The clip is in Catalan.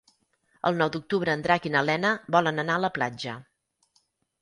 El nou d'octubre en Drac i na Lena volen anar a la platja.